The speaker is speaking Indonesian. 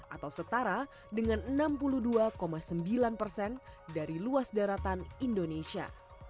atau setara dengan enam puluh dua sembilan persen dari luas daratan indonesia